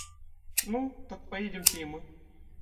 Ну, так поедемте и мы.